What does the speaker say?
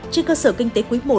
trên cơ sở kinh tế quý i